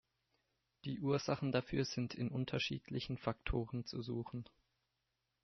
Die Ursachen dafür sind in unterschiedlichen Faktoren zu suchen.